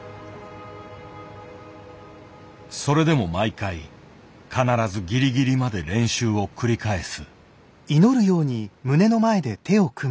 それでも毎回必ずギリギリまで練習を繰り返す。